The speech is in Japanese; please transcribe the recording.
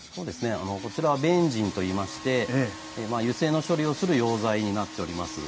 こちらはベンジンといいまして油性の処理をする溶剤になっております。